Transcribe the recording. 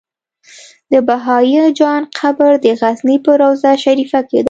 د بهايي جان قبر د غزنی په روضه شريفه کی دی